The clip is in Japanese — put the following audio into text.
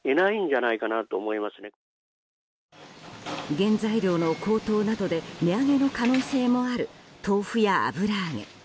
原材料の高騰などで値上げの可能性もある豆腐や油揚げ。